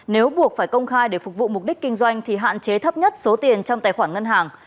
nếu buộc phải công khai để phục vụ mục đích kinh doanh thì hạn chế thấp nhất số tiền trong tài khoản ngân hàng